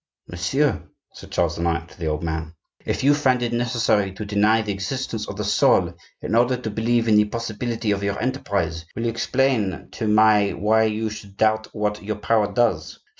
"Monsieur," said Charles IX. to the old man, "if you find it necessary to deny the existence of the soul in order to believe in the possibility of your enterprise, will you explain to my why you should doubt what your power does?